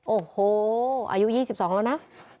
โอ้โหอายุ๒๒แล้วนะ